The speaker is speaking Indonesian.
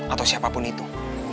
atau siapapun itu